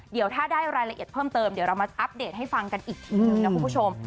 เดี๋ยวถ้าได้รายละเอียดเพิ่มเติมเดี๋ยวเรามาอัปเดตให้ฟังกันอีกทีหนึ่งนะคุณผู้ชม